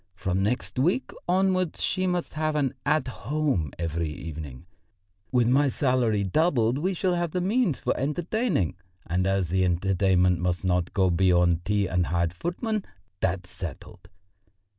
From next week onwards she must have an 'At Home' every evening. With my salary doubled, we shall have the means for entertaining, and as the entertainment must not go beyond tea and hired footmen that's settled.